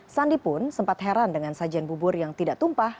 sandi pun sempat heran dengan sajian bubur yang tidak tumpah